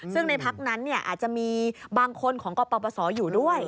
ซึ่งในพักนั้นอาจจะมีบางคนของกปศอยู่ด้วย